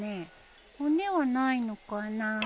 骨はないのかな。